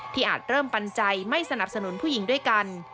อาจเริ่มปันใจไม่สนับสนุนผู้หญิงด้วยกัน